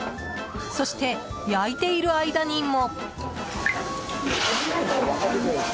そして、焼いている間にも。